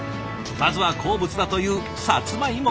まずは好物だというさつまいもから。